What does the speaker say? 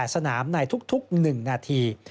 สนามในทุก๑นาที